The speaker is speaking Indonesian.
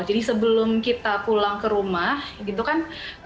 jadi sebelum kita pulang ke rumah gitu kan